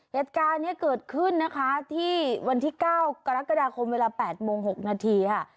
เหตุการณ์นี้เกิดขึ้นนะคะที่วันที่๙กรกฎาคมเวลา๘โมง๖นาทีค่ะ